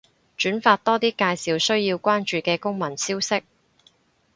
轉發多啲介紹需要關注嘅公民消息